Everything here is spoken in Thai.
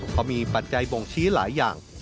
เพราะมีปัจจัยบ่งชี้หลายอย่าง